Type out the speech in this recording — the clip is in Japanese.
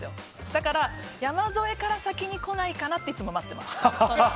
だから、山添から先に来ないかなっていつも待ってます。